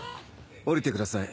・降りてください